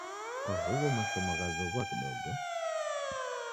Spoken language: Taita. Kwahuwo mashomo ghazoghua kidogo.